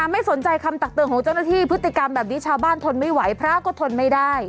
ไม่สนใจคำตักเตือนของเจ้าหน้าที่พฤติกรรมแบบนี้ชาวบ้านทนไม่ไหวพระก็ทนไม่ได้